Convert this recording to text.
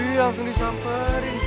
wih langsung disamperin